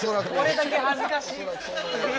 俺だけ恥ずかしい。